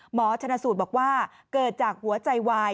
ชนะสูตรบอกว่าเกิดจากหัวใจวาย